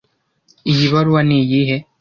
Iyi baruwa niyihe?